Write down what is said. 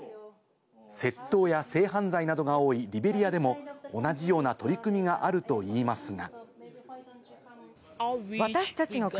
窃盗や性犯罪などが多いリベリアでも同じような取り組みがあるといいますが。